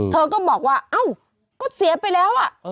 เธอก็บอกว่าเอ้าก็เสียไปแล้ว